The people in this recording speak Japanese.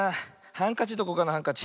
ハンカチどこかなハンカチ。